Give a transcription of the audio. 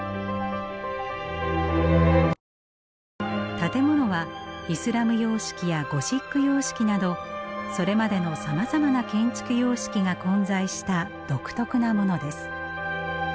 建物はイスラム様式やゴシック様式などそれまでのさまざまな建築様式が混在した独特なものです。